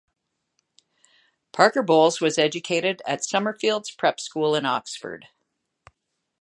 Parker Bowles was educated at Summer Fields prep school in Oxford.